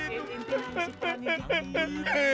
sini naik simpelan di sini